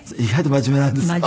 真面目なんですね。